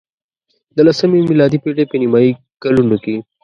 د لسمې میلادي پېړۍ په نیمايي کلونو کې.